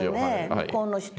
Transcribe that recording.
向こうの人は。